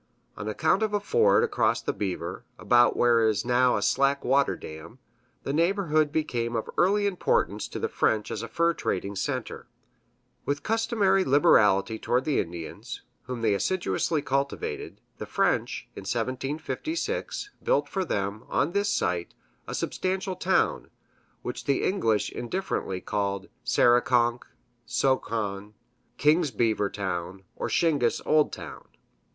On account of a ford across the Beaver, about where is now a slack water dam, the neighborhood became of early importance to the French as a fur trading center. With customary liberality toward the Indians, whom they assiduously cultivated, the French, in 1756, built for them, on this site, a substantial town, which the English indifferently called Sarikonk, Sohkon, King Beaver's Town, or Shingis Old Town.